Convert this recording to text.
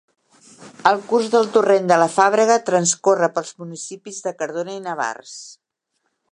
El curs del Torrent de la Fàbrega transcorre pels municipis de Cardona i Navars.